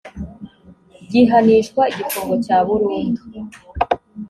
gihanishwa igifungo cya burundu